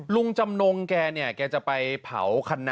ลุงจำนงแกเนี่ยแกจะไปเผาคณะ